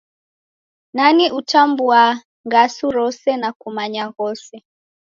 Nani utambua ngasu rose na kumanya ghose?